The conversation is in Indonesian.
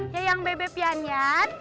yayang bebe pianyan